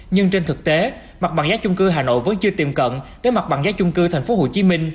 nhưng trên thực tế mặt bằng giá chung cư hà nội vẫn chưa tiềm cận đến mặt bằng giá chung cư tp hcm